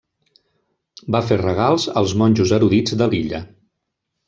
Va fer regals als monjos erudits de l'illa.